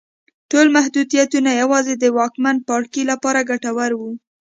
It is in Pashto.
ټول محدودیتونه یوازې د واکمن پاړکي لپاره ګټور وو.